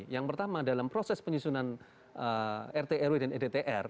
yang pertama dalam proses penyusunan rt rw dan edtr